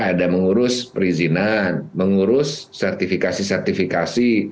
ada mengurus perizinan mengurus sertifikasi sertifikasi